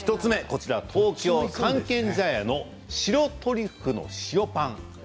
こちら、東京・三軒茶屋の白トリュフの塩パン。